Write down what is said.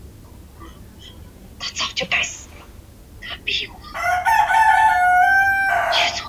香港主要的花卉市场则有旺角花墟。